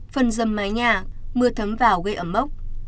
phần dầm mái nhà mưa thấm vào gây ẩm mốc